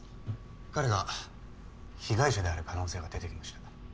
彼が被害者である可能性が出てきました。